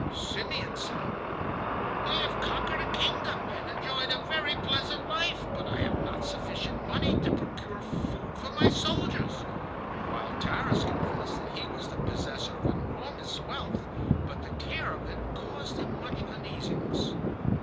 Simeon said: "I have conquered a kingdom and enjoy a very pleasant life, but I have not sufficient money to procure food for my soldiers;" while Tarras confessed that he was the possessor of enormous wealth, but the care of it caused him much uneasiness.